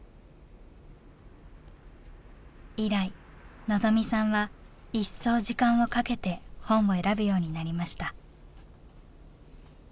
以来望未さんは一層時間をかけて本を選ぶようになりました。